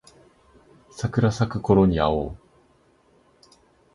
桜咲くころに会おう